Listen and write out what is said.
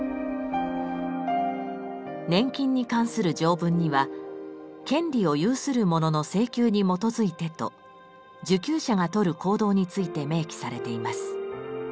年金に関する条文には「権利を有する者の請求に基づいて」と受給者がとる行動について明記されています。